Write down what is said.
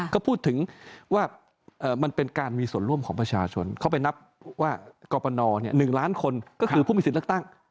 ก็พูดถึงว่ามันเป็นการมีส่วนร่วมของประชาชนเขาไปนับว่ากรปน๑ล้านคนก็คือผู้มีสิทธิ์เลือกตั้ง